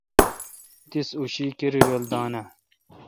تیس اوں شی کیرای رل دان آں